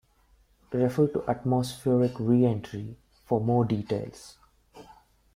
Refer to atmospheric reentry for more details.